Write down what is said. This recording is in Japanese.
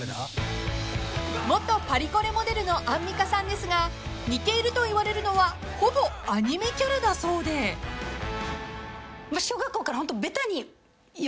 ［元パリコレモデルのアンミカさんですが似ているといわれるのはほぼアニメキャラだそうで］小学校からホントベタに。